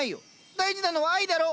大事なのは愛だろ！